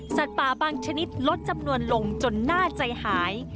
ป่าบางชนิดลดจำนวนลงจนน่าใจหาย